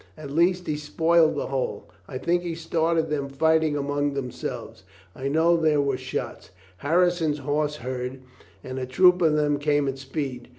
At least he spoiled the whole. I think he started them fighting among themselves. I know there were shots. Harrison's horse heard and a troop of them came at speed.